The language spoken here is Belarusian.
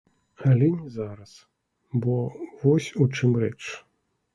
Але не зараз, бо вось у чым рэч.